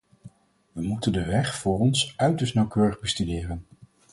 Wij moeten de weg voor ons uiterst nauwkeurig bestuderen.